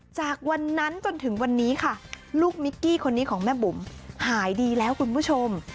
จากวันนั้นจนถึงวันนี้ค่ะลูกมิกกี้คนนี้ของแม่บุ๋มหายดีแล้วคุณผู้ชม